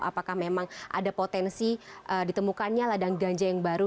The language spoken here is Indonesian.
apakah memang ada potensi ditemukannya ladang ganja yang baru